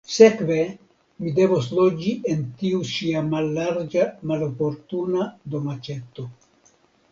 Sekve mi devos loĝi en tiu ŝia mallarĝa maloportuna domaĉeto.